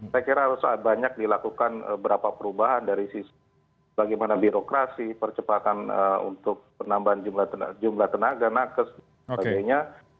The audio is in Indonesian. saya kira harus banyak dilakukan berapa perubahan dari sisi bagaimana birokrasi percepatan untuk penambahan jumlah tenaga nakes dan sebagainya